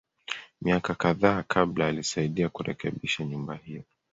Miaka kadhaa kabla, alisaidia kurekebisha nyumba hiyo.